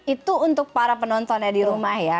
itu untuk para penontonnya di rumah ya